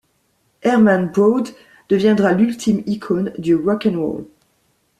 Herman Brood deviendra l'ultime icône du rock 'n' roll.